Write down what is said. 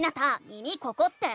「耳ここ⁉」って。